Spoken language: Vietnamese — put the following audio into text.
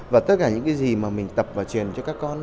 và tất cả những cái gì mà mình tập và truyền cho các con